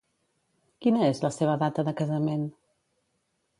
Quina és la seva data de casament?